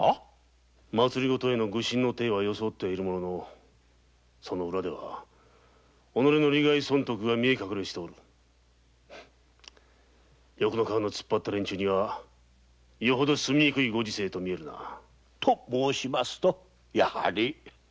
政治への具申直言の体はよそおっているがその裏ではオノレの利害損得が見え隠れしておる欲の皮のつっぱった連中には住みにくいご時世と見えるな。と申しますとやはり。